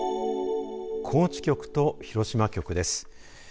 高知局と広島局です。